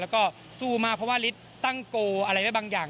แล้วก็สู้มากเพราะว่าฤทธิ์ตั้งโกลอะไรไว้บางอย่าง